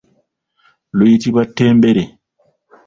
Luyitibwa ttembere.